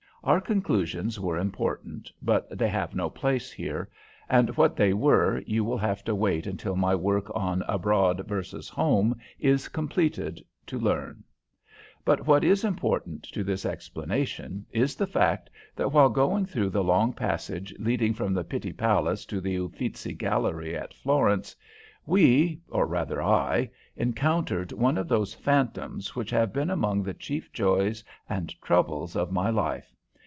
Our conclusions were important, but they have no place here, and what they were you will have to wait until my work on Abroad versus Home is completed to learn. But what is important to this explanation is the fact that while going through the long passage leading from the Pitti Palace to the Uffizi Gallery at Florence we or rather I encountered one of those phantoms which have been among the chief joys and troubles of my life.